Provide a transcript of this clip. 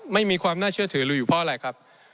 ไม่มีความน่าเชื่อถือรู้อยู่เพราะอะไรครับ